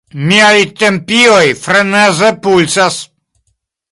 Miaj tempioj freneze pulsas.